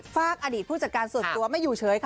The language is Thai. ฝากอดีตผู้จัดการส่วนตัวไม่อยู่เฉยค่ะ